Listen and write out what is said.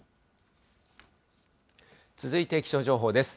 続いて気象情報です。